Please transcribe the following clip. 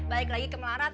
balik lagi ke melarat